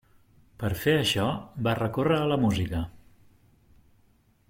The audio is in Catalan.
Per fer això va recórrer a la música.